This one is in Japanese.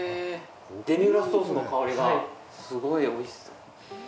デミグラスソースの香りがすごいおいしそう。